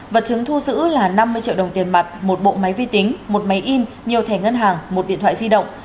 vật chứng thu giữ là năm mươi triệu đồng tiền mặt một bộ máy vi tính một máy in nhiều thẻ ngân hàng một điện thoại di động